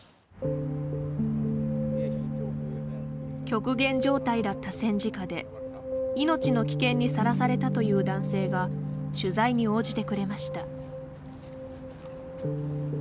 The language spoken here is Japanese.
極限状態だった戦時下で命の危険にさらされたという男性が取材に応じてくれました。